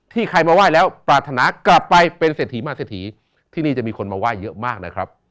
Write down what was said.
ใครมาไหว้แล้วปรารถนากลับไปเป็นเศรษฐีมาเศรษฐีที่นี่จะมีคนมาไหว้เยอะมากนะครับ